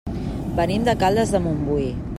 Venim de Caldes de Montbui.